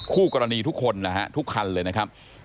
คู่กรณีทุกคนนะฮะทุกคันเลยนะครับ